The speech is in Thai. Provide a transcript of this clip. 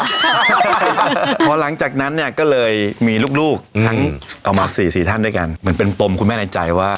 เพราะหลังจากนั้นก็เลยมีลูกทั้งออกมา๔ทันด้วยก็เหมือนเป็นปมคุณแม่ในใจว่า